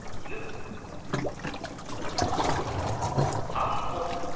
「散歩」。